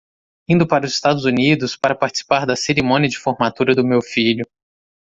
Indo para os Estados Unidos para participar da cerimônia de formatura do meu filho